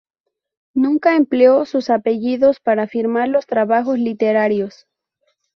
Nunca empleó sus apellidos para firmar los trabajos literarios.